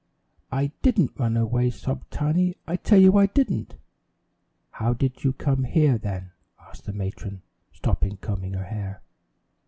"I didn't run away," sobbed Tiny; "I tell you I didn't!" "How did you come here, then?" asked the matron, stopping combing her hair.